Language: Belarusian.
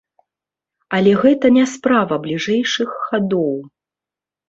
Але гэта не справа бліжэйшых гадоў.